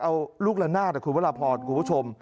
เอาลูกละหน้าแต่คุณพระราบพอร์ตคุณผู้ชม